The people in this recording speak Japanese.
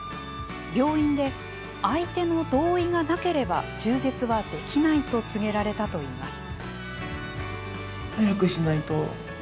病院で「相手の同意がなければ中絶はできない」と告げられたといいます。